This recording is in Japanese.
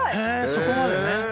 そこまでね。